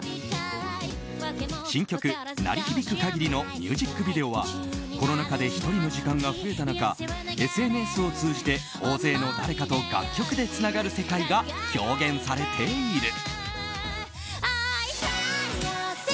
新曲「鳴り響く限り」のミュージックビデオはコロナ禍で１人の時間が増えた中ＳＮＳを通じて大勢の誰かと楽曲でつながる世界が表現されている。